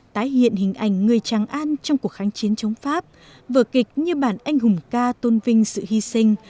tái hiện hình ảnh người trang an trong cuộc kháng chiến chống pháp vợ kịch như bản anh hùng ca tôn vinh sự hy sinh